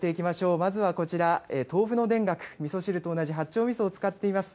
まずはこちら、豆腐の田楽、みそ汁と同じ八丁みそを使っています。